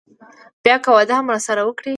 بيا که واده هم راسره وکړي.